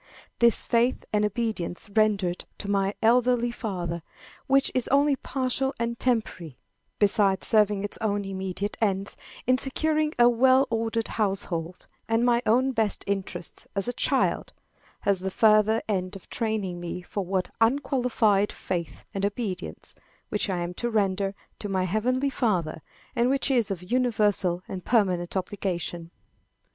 This faith and obedience rendered to my earthly father, which is only partial and temporary, besides serving its own immediate ends, in securing a well ordered household and my own best interests as a child, has the further end of training me for that unqualified faith and obedience, which I am to render to my heavenly Father, and which is of universal and permanent obligation.